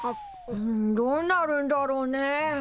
どうなるんだろうね。